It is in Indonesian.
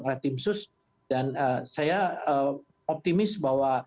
oleh tim sus dan saya optimis bahwa